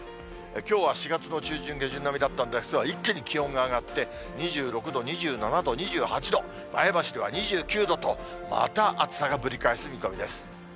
きょうは４月の中旬・下旬並みだったんですが、一気に気温が上がって、２６度、２７度、２８度、前橋では２９度と、また暑さがぶり返す見込みです。